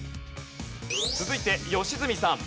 続いて良純さん。